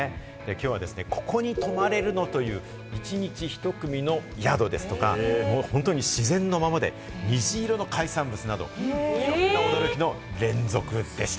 きょうはここに泊まれるの？という１日１組の宿ですとか、本当に自然のままで、虹色の海産物など、いろんな驚きの連続でした。